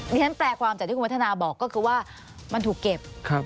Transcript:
นี่ฉะนั้นแปลความจากที่คุณมฐบอกคือว่ามันถูกเก็บ